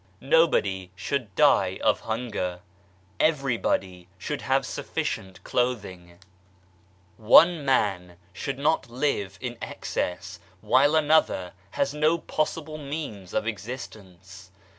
Nobody should die of hunger ; everybody should have sufficient clothing ; 122 THEOSOPHICAL SOCIETY one man should not live in excess while anottier has no possible means of existence.